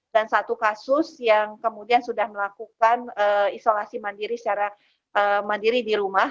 dan satu kasus yang kemudian sudah melakukan isolasi mandiri secara mandiri di rumah